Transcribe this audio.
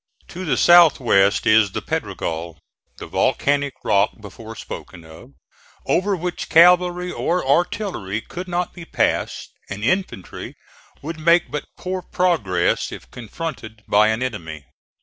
To the south west is the Pedregal the volcanic rock before spoken of over which cavalry or artillery could not be passed, and infantry would make but poor progress if confronted by an enemy.